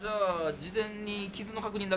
事前に？